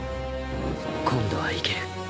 今度はいける。